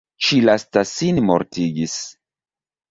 Ĉi lasta sin mortigis.